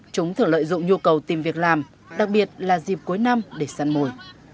chúng thường lợi dụng nhu cầu tìm việc làm đặc biệt là dịp cuối năm để săn mồi